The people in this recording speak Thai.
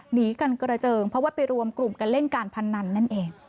หนีกันกระเจิงเพราะว่าไปรวมกลุ่มกันเล่นการพนันนั่นเอง